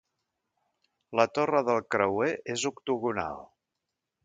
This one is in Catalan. La torre del creuer és octogonal.